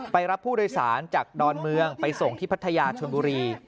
รับผู้โดยสารจากดอนเมืองไปส่งที่พัทยาชนบุรี